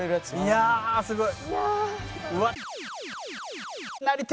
いやすごい。